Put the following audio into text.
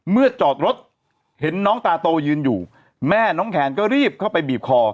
จอดรถเห็นน้องตาโตยืนอยู่แม่น้องแคนก็รีบเข้าไปบีบคอ